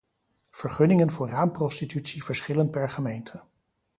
Vergunningen voor raamprostitutie verschillen per gemeente.